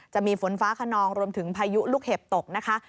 จะมีฝนฟ้าขนองรวมถึงพายุลูกเห็บตกนะคะ